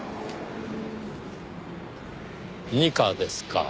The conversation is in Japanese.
二課ですか。